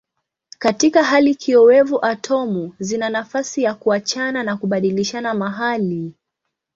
Katika hali kiowevu atomu zina nafasi ya kuachana na kubadilishana mahali.